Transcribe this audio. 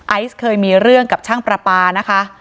ไอซ์เคยมีเรื่องกับช่างประปานะคะ